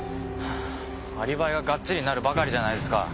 アリバイががっちりなるばかりじゃないですか。